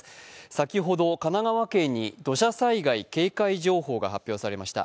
先ほど神奈川県に土砂災害警戒情報が発表されました。